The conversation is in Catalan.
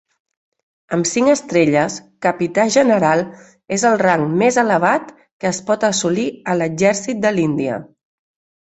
Amb cinc estrelles, capità general és el rang més elevat que es pot assolir a l'exèrcit de l'Índia.